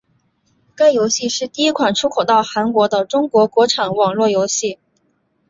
该游戏是第一款出口到韩国的中国国产网络游戏。